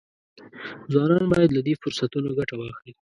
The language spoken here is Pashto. ځوانان باید له دې فرصتونو ګټه واخلي.